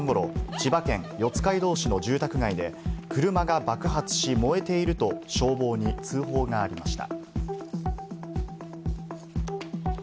きのう午前６時半ごろ、千葉県四街道市の住宅街で、車が爆発し燃えていると消防に通報がありました。